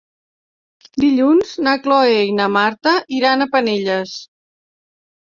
Dilluns na Cloè i na Marta iran a Penelles.